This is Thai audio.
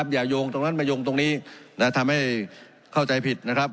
อย่ายุ่งตรงนั้นไม่ยุ่งตรงนี้ทำให้เข้าใจผิดนะครับ